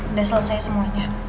udah selesai semuanya